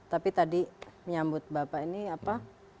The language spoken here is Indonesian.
tapi tadi menyambut bapak ini apa